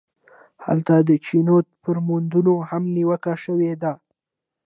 هلته د چینوت پر موندنو هم نیوکه شوې ده.